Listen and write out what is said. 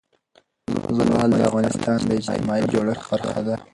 زغال د افغانستان د اجتماعي جوړښت برخه ده.